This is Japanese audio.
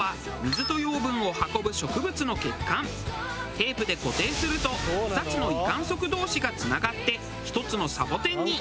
テープで固定すると２つの維管束同士がつながって１つのサボテンに。